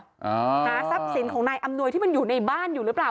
หาทรัพย์สินของนายอำนวยที่มันอยู่ในบ้านอยู่หรือเปล่า